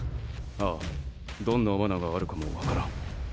ああどんな罠があるかもわからん。